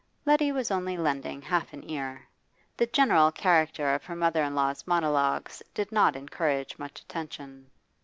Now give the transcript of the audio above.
Letty was only lending half an ear. The general character of her mother in law's monologues did not encourage much attention.